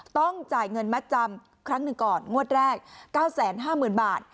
ต้องจ่ายเงินมัดจำครั้งหนึ่งก่อนงวดแรก๙๕๐๐๐บาท